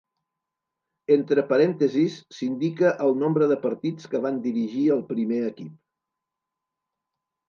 Entre parèntesis s'indica el nombre de partits que van dirigir el primer equip.